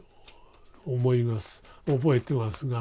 覚えてますが。